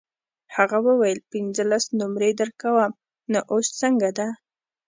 هغه وویل پنځلس نمرې درکوم نو اوس څنګه ده.